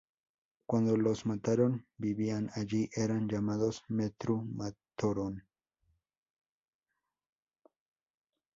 Cuando los "Matoran" vivían allí, eran llamados "Metru-matoran".